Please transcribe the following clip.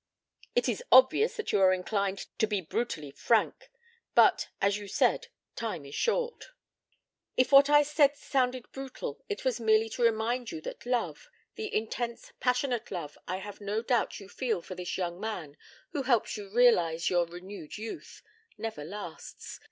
It is obvious that you are inclined to be brutally frank. But, as you said, time is short." "If what I said sounded brutal, it was merely to remind you that love the intense passionate love I have no doubt you feel for this young man who helps you to realize your renewed youth never lasts.